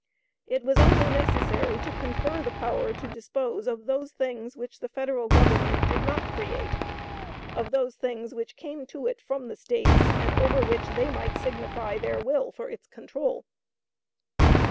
It was only necessary to confer the power to dispose of those things which the Federal Government did not create, of those things which came to it from the States, and over which they might signify their will for its control.